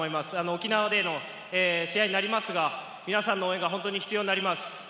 沖縄での試合になりますが、皆さんの応援が必要になります。